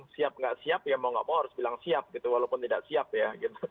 siap atau tidak siap mau tidak mau harus bilang siap